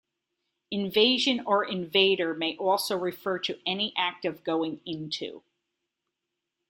Invasion or invader may also refer to any act of "going into"